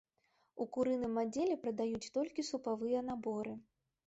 У курыным аддзеле прадаюць толькі супавыя наборы.